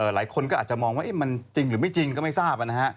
หลายคนก็อาจจะมองว่ามันจริงหรือไม่จริงก็ไม่ทราบนะฮะ